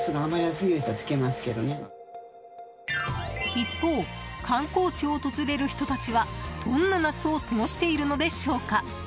一方、観光地を訪れる人たちはどんな夏を過ごしているのでしょうか。